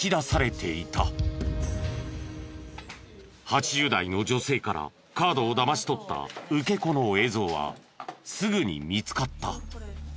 ８０代の女性からカードをだまし取った受け子の映像はすぐに見つかった。